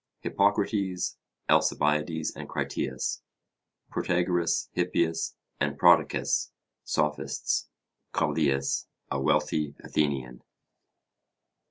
Hippocrates, Alcibiades and Critias. Protagoras, Hippias and Prodicus (Sophists). Callias, a wealthy Athenian.